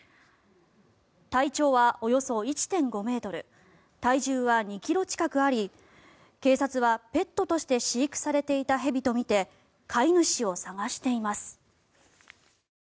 体長はおよそ１．５ｍ体重は２ｋｇ近くあり警察はペットとして飼育されていた蛇とみて飼い主を探しています。